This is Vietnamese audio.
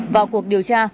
vào cuộc điều tra